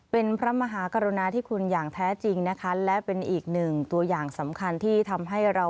เป็นพระมหากรุณาที่คุณอย่างแท้จริงนะคะและเป็นอีกหนึ่งตัวอย่างสำคัญที่ทำให้เรา